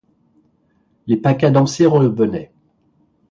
Les pas cadencés revenaient.